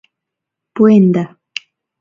Пуэнда.